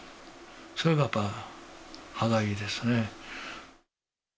それがやっぱり歯がゆいですね。